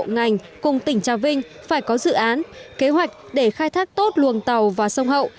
ngành cùng tỉnh trà vinh phải có dự án kế hoạch để khai thác tốt luồng tàu và sông hậu